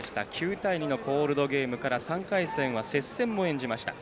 ９対２のコールドゲームから３回戦は接戦も演じました。